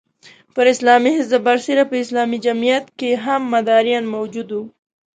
پر اسلامي حزب برسېره په اسلامي جمعیت کې هم مداریان موجود وو.